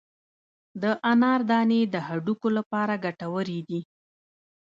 د انار دانې د هډوکو لپاره ګټورې دي.